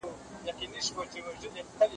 پخوا خلکو صحي وقايې ته زياته پاملرنه کوله.